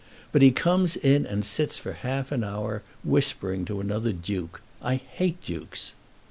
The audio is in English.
But he comes in and sits for half an hour whispering to another duke! I hate dukes!"